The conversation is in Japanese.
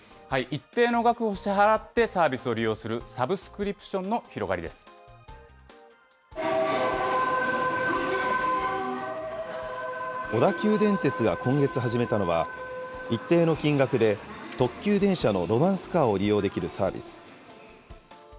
一定の額を支払ってサービスを利用するサブスクリプションの小田急電鉄が今月始めたのは、一定の金額で特急電車のロマンスカーを利用できるサービス。